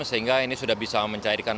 sehingga ini sudah bisa mencairkan